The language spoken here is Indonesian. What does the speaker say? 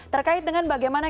terkait dengan bagaimana